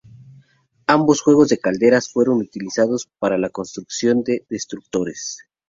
Ambos juegos de calderas, fueron utilizados para la construcción de destructores.